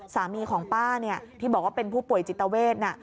สามีของป้าที่บอกว่าเป็นผู้ป่วยจิตเวท